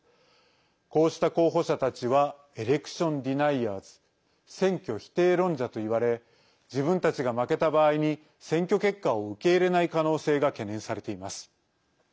こうした候補者たちはＥｌｅｃｔｉｏｎＤｅｎｉｅｒｓ選挙否定論者といわれ自分たちが負けた場合に選挙結果を受け入れない可能性が懸念されています。